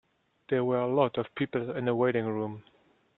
There were a lot of people in the waiting room.